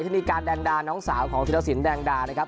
ธินีการแดงดาน้องสาวของธิรสินแดงดานะครับ